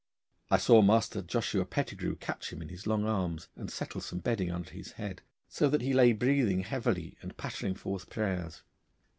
I saw Master Joshua Pettigrue catch him in his long arms, and settle some bedding under his head, so that he lay breathing heavily and pattering forth prayers.